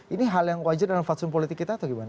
ini hal yang wajar dalam fatsun politik kita atau gimana